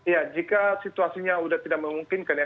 ya jika situasinya sudah tidak memungkinkan ya